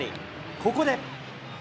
ここで。